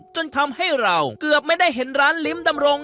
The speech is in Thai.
จนทำให้เราเกือบไม่ได้เห็นร้านลิ้มดำรง